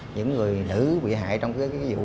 những người nữ bị hại trong cái vụ